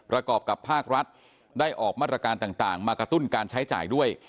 กรอบกับภาครัฐได้ออกมาตรการต่างมากระตุ้นการใช้จ่ายด้วย